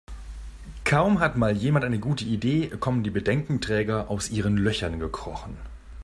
Kaum hat mal jemand eine gute Idee, kommen die Bedenkenträger aus ihren Löchern gekrochen.